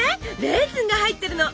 レーズンが入ってるの！